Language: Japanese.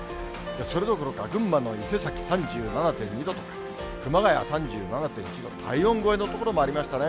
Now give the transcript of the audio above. それどころか群馬の伊勢崎３７．２度と、熊谷３７．１度、体温超えの所もありましたね。